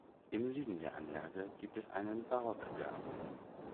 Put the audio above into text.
Im Süden der Anlage gibt es einen Barockgarten.